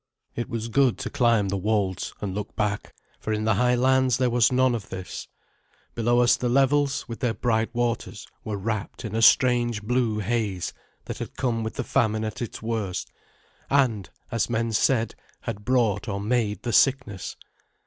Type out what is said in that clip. It was good to climb the welds and look back, for in the high lands there was none of this. Below us the levels, with their bright waters, were wrapped in a strange blue haze, that had come with the famine at its worst, and, as men said, had brought or made the sickness.